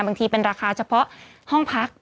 บางทีเป็นราคาเฉพาะห้องพัก